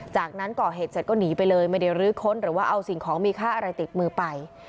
จากนั้นก่อเหตุเสร็จก็หนีไปเลยไม่ได้ลื้อค้นหรือว่าเอาสิ่งของมีค่าอะไรติดมือไป